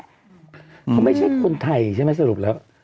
เขาไม่ใช่คนไทยใช่ไหมสรุปแล้ว